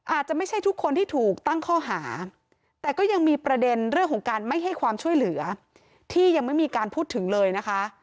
อาจจะไม่ใช่ทุกคนที่ถูกตั้งข้อหาแต่ก็ยังมีประเด็นเรื่องของการไม่ให้ความช่วยเหลือที่ยังไม่มีการพูดถึงเลยนะคะ